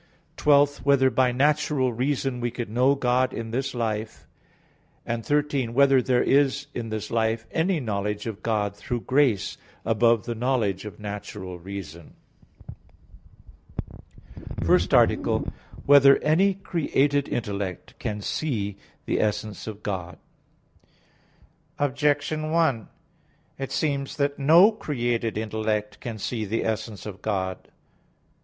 (12) Whether by natural reason we can know God in this life? (13) Whether there is in this life any knowledge of God through grace above the knowledge of natural reason? _______________________ FIRST ARTICLE [I, Q. 12, Art. 1] Whether Any Created Intellect Can See the Essence of God? Objection 1: It seems that no created intellect can see the essence of God.